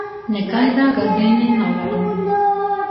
Nikaidā gadīnī navaru!